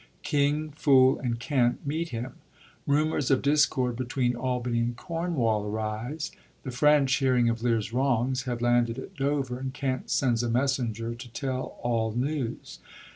King, fool, and Kent, meet him. Rumors of discord between Albany and Cornwall arise. The French, hearing of Lear's wrongs, have landed at Dover, and Kent sends a messenger to tell all news.